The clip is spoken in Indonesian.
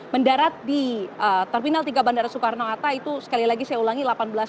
mendarat di terminal tiga bandara soekarno hatta itu sekali lagi saya ulangi delapan belas